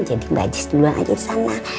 jadi mbak jis duluan aja disana